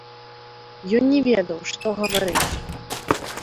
Ён не ведаў, што гаварыць.